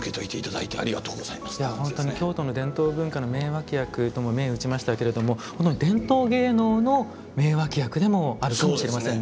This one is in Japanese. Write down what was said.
いや本当に「京都の伝統文化の名わき役」とも銘打ちましたけれどもこの伝統芸能の名わき役でもあるかもしれませんね。